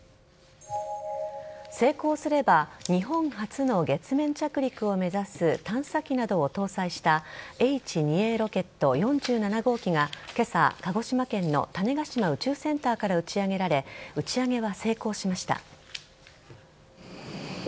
成功すれば日本初の月面着陸を目指す探査機などを搭載したＨ２Ａロケット４７号機が今朝、鹿児島県の種子島宇宙センターから打ち上げられ打ち上げは成功しました。